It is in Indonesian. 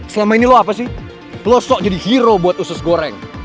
selama ini lo apa sih lo sok jadi hero buat usus goreng